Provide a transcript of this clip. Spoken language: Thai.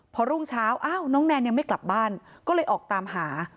พอรุ่งเช้าอ้าวน้องแนนยังไม่กลับบ้านก็เลยออกตามหา